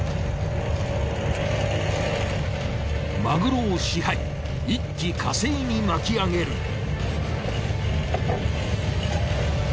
マグロを支配一気呵成に巻き上げる。